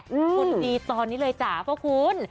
คนดีตอนนี้เลยจ๋าพระคุณ